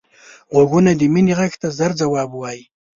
غوږونه د مینې غږ ته ژر ځواب وايي